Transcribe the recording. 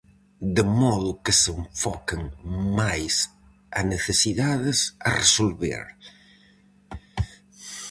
De modo que se enfoquen máis a necesidades a resolver.